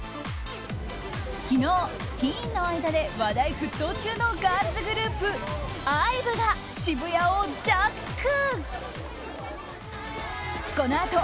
昨日、ティーンの間で話題沸騰中のガールズグループＩＶＥが渋谷をジャック。